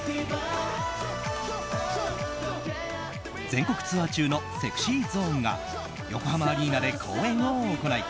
全国ツアー中のＳｅｘｙＺｏｎｅが横浜アリーナで公演を行い